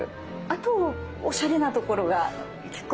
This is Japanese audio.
あとおしゃれなところ？